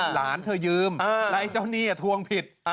หลานเธอยืมหลายเจ้าหนี้อ่ะทวงผิด